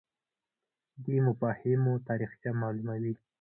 دی مفاهیمو تاریخچه معلوموي